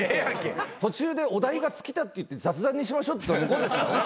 途中でお題が尽きたって言って雑談にしましょうっつったの向こうですからね。